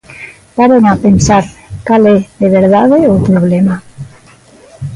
Paren a pensar cal é de verdade o problema.